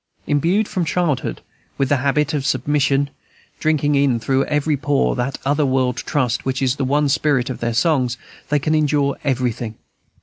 Imbued from childhood with the habit of submission, drinking in through every pore that other world trust which is the one spirit of their songs, they can endure everything.